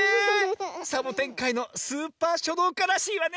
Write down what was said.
サボテンかいのスーパーしょどうからしいわね！